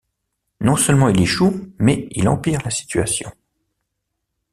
Non seulement il échoue, mais il empire la situation.